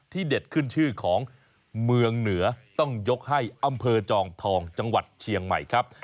เด็ดขึ้นชื่อของเมืองเหนือต้องยกให้อำเภอจอมทองจังหวัดเชียงใหม่ครับ